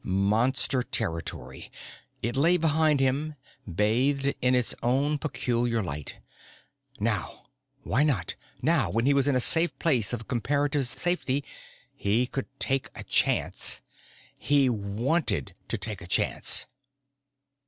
Monster territory. It lay behind him, bathed in its own peculiar light. Now. Why not? Now, when he was in a place of comparative safety. He could take a chance. He wanted to take a chance.